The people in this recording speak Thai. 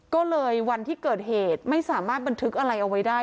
ก็เลยวันที่เกิดเหตุไม่สามารถบันทึกอะไรเอาไว้ได้